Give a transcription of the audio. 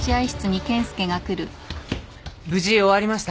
無事終わりました。